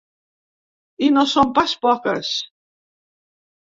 I no són pas poques.